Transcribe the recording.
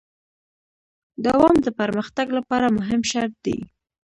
دوام د پرمختګ لپاره مهم شرط دی.